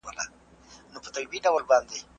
په قلم لیکنه کول د ژوند د خوږو شیبو د ثبتولو وسیله ده.